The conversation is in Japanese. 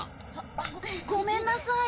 あっごめんなさい。